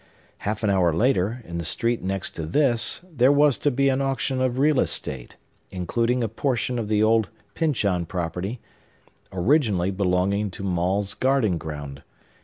Half an hour later, in the street next to this, there was to be an auction of real estate, including a portion of the old Pyncheon property, originally belonging to Maule's garden ground.